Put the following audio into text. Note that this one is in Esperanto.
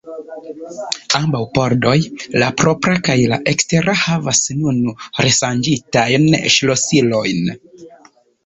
Ambaŭ pordoj, la propra kaj la ekstera, havas nun reŝanĝitajn ŝlosilojn.